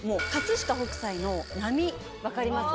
飾北斎の波分かりますか？